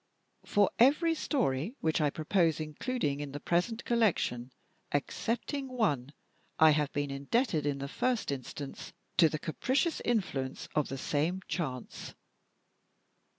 For every story which I propose including in the present collection, excepting one, I have been indebted, in the first instance, to the capricious influence of the same chance.